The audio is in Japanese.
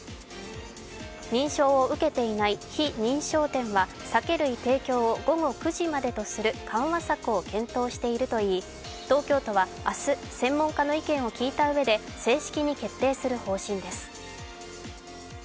認証を受けていない非認証店は、酒類提供を午後９時までとする緩和策を検討しているといい東京都は明日、専門家の意見を聞いたうえで正式に決定する方針です。